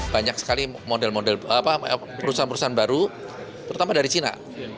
banyak sekali model model perusahaan perusahaan baru terutama dari cina